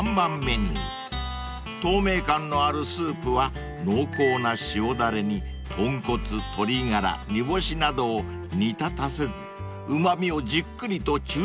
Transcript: ［透明感のあるスープは濃厚な塩だれに豚骨鶏ガラ煮干しなどを煮立たせずうま味をじっくりと抽出したもの］